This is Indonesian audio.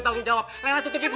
tanggung jawab lela tutup itu